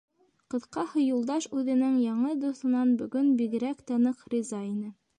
Ҡыҫҡаһы, Юлдаш үҙенең яңы дуҫынан бөгөн бигерәк тә ныҡ риза ине.